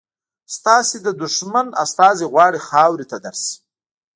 ستاسو د دښمن استازی غواړي خاورې ته درشي.